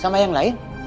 sama yang lain